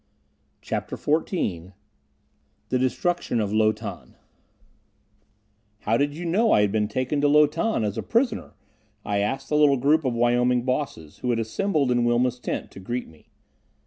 CHAPTER XIV The Destruction of Lo Tan "How did you know I had been taken to Lo Tan as a prisoner?" I asked the little group of Wyoming Bosses who had assembled in Wilma's tent to greet me.